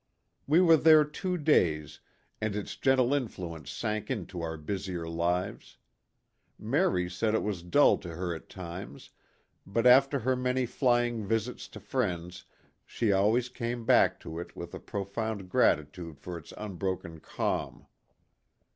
We were there two days and its gentle influ ence sank into our busier lives. Mary said it was dull to her at times, but after her many flying visits to friends she always came back to it with a profound gratitude for its unbroken calm.